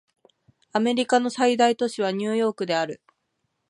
アメリカの最大都市はニューヨークである